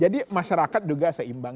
jadi masyarakat juga seimbang